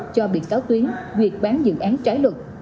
cho bị cáo tuyến việc bán dự án trái luật